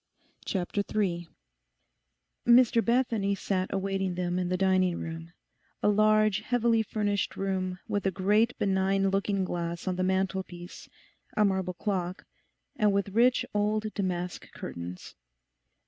CHAPTER THREE Mr Bethany sat awaiting them in the dining room, a large, heavily furnished room with a great benign looking glass on the mantelpiece, a marble clock, and with rich old damask curtains.